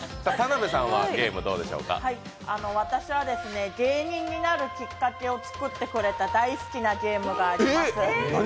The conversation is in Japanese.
私は芸人になるきっかけを作ってくれた大好きなゲームがあります。